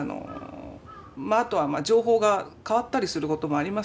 あとは情報が変わったりすることもありますね。